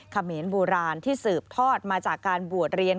เขมรโบราณที่สืบทอดมาจากการบวชเรียน